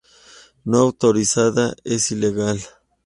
No autorizada es ilegal.